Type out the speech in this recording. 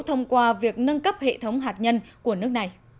thông qua việc nâng cấp hệ thống hạt nhân của nước này